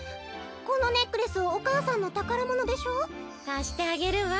このネックレスお母さんのたからものでしょ？かしてあげるわ。